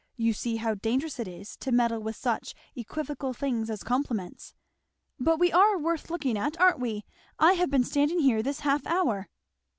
You see how dangerous it is to meddle with such equivocal things as compliments. But we are worth looking at, aren't we? I have been standing here this half hour."